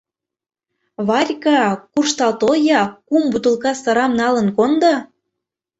— Варька, куржтал тол-я, кум бутылка сырам налын кондо!